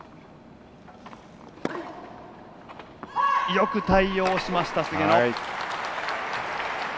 よく対応しました、菅野。